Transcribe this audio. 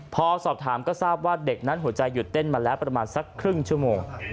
พอสอบถามก็ทราบว่าเด็กนั้นหัวใจหยุดเต้นมาแล้วประมาณสักครึ่งชั่วโมง